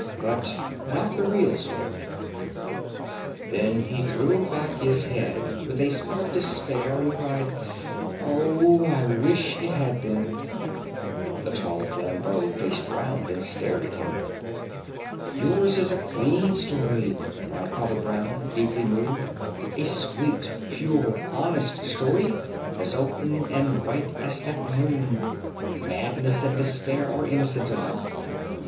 "But not the real story." Then he threw back his head with a sort of despair and cried: "Oh, I wish it had been." The tall Flambeau faced round and stared at him. "Yours is a clean story," cried Father Brown, deeply moved. "A sweet, pure, honest story, as open and white as that moon. Madness and despair are innocent enough.